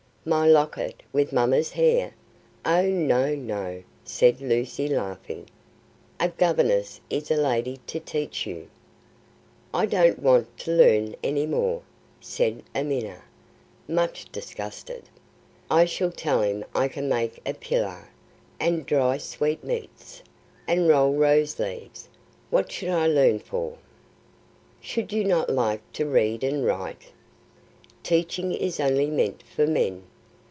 "My locket with Mamma's hair? Oh, no, no," said Lucy, laughing; "a governess is a lady to teach you." "I don't want to learn any more," said Amina, much disgusted; "I shall tell him I can make a pillau, and dry sweetmeats, and roll rose leaves. What should I learn for?" "Should you not like to read and write?" "Teaching is only meant for men.